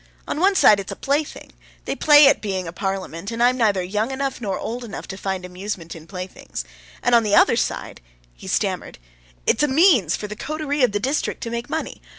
"On one side it's a plaything; they play at being a parliament, and I'm neither young enough nor old enough to find amusement in playthings; and on the other side" (he stammered) "it's a means for the coterie of the district to make money.